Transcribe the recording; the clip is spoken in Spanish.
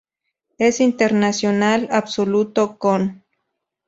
Es internacional absoluto con